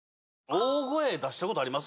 大声出したことあります？